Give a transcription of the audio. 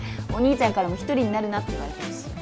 お兄ちゃんからも１人になるなって言われてるし。